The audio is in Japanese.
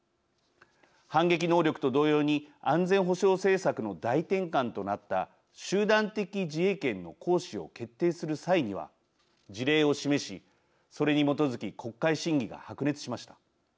反撃能力と同様に安全保障政策の大転換となった集団的自衛権の行使を決定する際には事例を示しそれに基づき国会審議が白熱しました。